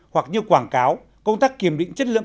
hoặc như quảng cáo công tác kiểm định chất lượng